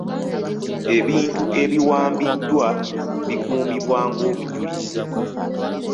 Ebinti ebiwambiddwa bikuumibwa ng'obujulizi.